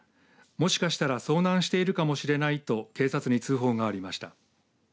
もしかしたら遭難しているかもしれないと警察に通報がありました。